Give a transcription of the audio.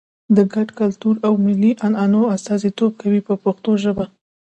د ګډ کلتور او ملي عنعنو استازیتوب کوي په پښتو ژبه.